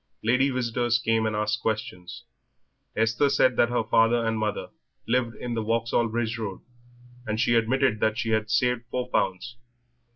Lady visitors came and asked questions. Esther said that her father and mother lived in the Vauxhall Bridge Road, and she admitted that she had saved four pounds.